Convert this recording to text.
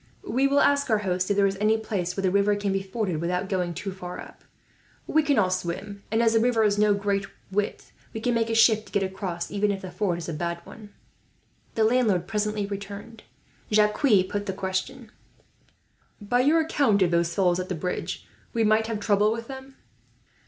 We will ask our host if there is any place where the river can be forded, without going too far up. We can all swim and, as the river is no great width, we can make a shift to get across, even if the ford is a bad one." The landlord presently returned. Jacques put the question: "By your account of those fellows at the bridge, we might have trouble with them?"